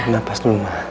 napas dulu ma